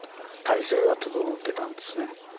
体制が整ってたんですね。